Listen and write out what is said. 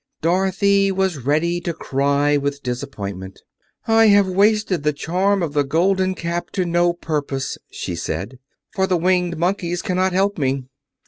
Dorothy was ready to cry with disappointment. "I have wasted the charm of the Golden Cap to no purpose," she said, "for the Winged Monkeys cannot help me."